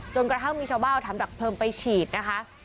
จนกระทั่งมีชาวบ้าเอาทำดักเพิ่มไปฉีดนะคะ